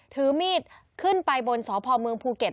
ถือมีดขึ้นไปบนสพเมืองภูเก็ต